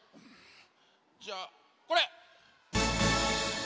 じゃあこれ！